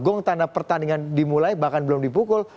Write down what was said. gong tanda pertandingan dimulai bahkan belum dipukul